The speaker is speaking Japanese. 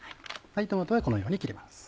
トマトはこのように切ります。